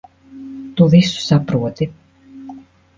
Tu visu saproti.